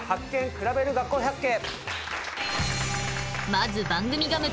くらべる学校百景」。